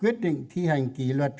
quyết định thi hành kỷ luật